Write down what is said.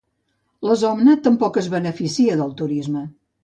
La zona tampoc es beneficia del turisme.